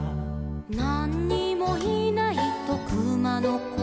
「なんにもいないとくまのこは」